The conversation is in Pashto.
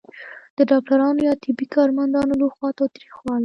د ډاکټرانو یا طبي کارمندانو لخوا تاوتریخوالی